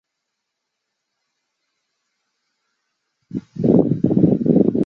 塞昆迪诺是位于美国亚利桑那州皮马县的一个非建制地区。